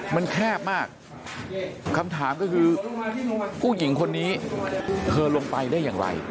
มันแคบมากคำถามก็คือผู้หญิงคนนี้เธอลงไปได้อย่างไร